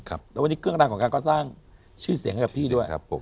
แล้ววันนี้เครื่องรางของขังก็สร้างชื่อเสียงให้พี่ด้วย